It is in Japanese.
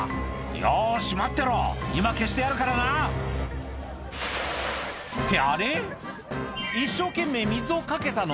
「よし待ってろ今消してやるからな」ってあれ？